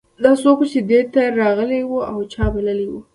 دا څوک و چې دې ته راغلی و او چا بللی و